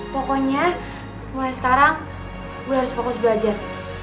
pokoknya mulai sekarang gue harus fokus belajar